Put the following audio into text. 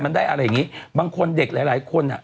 มันได้อะไรอย่างนี้บางคนเด็กหลายคน